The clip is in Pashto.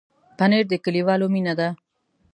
پنېر د کلیوالو مینه ده.